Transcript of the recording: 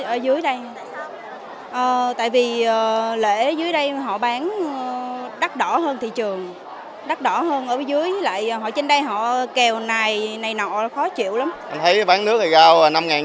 ở dưới lại họ trên đây họ kèo này này nọ khó chịu lắm